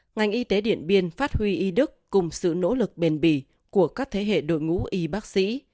ngành y tế điện biên phát huy y đức cùng sự nỗ lực bền bỉ của các thế hệ đội ngũ y bác sĩ